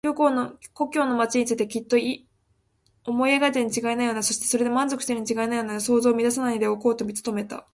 故郷の町についてきっと思い描いているにちがいないような、そしてそれで満足しているにちがいないような想像を乱さないでおこうと努めた。